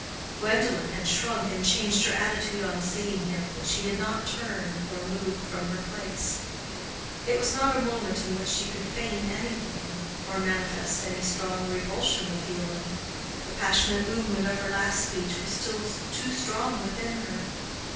Gwendolen had shrunk and changed her attitude on seeing him, but she did not turn or move from her place. It was not a moment in which she could feign anything, or manifest any strong revulsion of feeling: the passionate movement of her last speech was still too strong within her.